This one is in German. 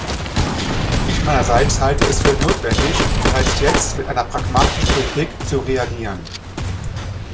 Ich meinerseits halte es für notwendig, bereits jetzt mit einer pragmatischen Politik zu reagieren.